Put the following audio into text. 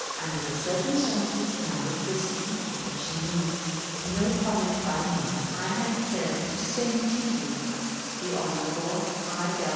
Under the circumstances now existing, and which need no comment by me, I have determined to send to you the Hon. I.